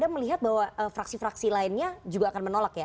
anda melihat bahwa fraksi fraksi lainnya juga akan menolak ya